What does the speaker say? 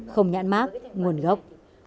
không nhãn mát nguồn gốc